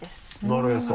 なるへそ。